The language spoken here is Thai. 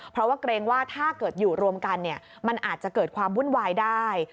เพราะว่าเกรงว่าถ้าเกิดอยู่รวมกันมันอาจจะเกิดความวุ่นวายได้